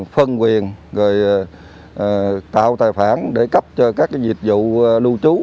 phân quyền tạo tài khoản để cấp cho các dịch vụ lưu trú